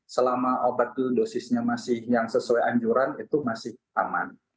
selama obat dosisnya yang sesuai anjuran itu masih aman